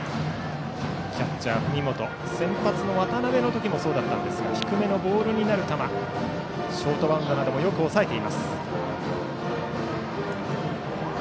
キャッチャー、文元先発の渡部の時もそうだったんですが低めのボールになる球ショートバウンドなどもよく押さえています。